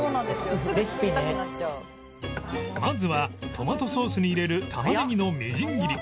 まずはトマトソースに入れるタマネギのみじん切り